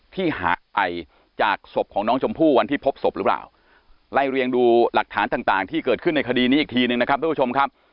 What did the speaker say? ที่หายจากสบของน้องจมพู่วันที่พบสบหรือเปล่าไล่เรียงดูหลักฐานต่างที่เกิดขึ้นในคดีนี้อีกทีนึงนะครับ